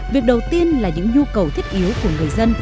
việc đầu tiên là những nhu cầu thiết yếu của người dân